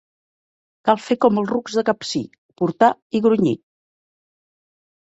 Cal fer com els rucs de Capcir, portar i grunyir.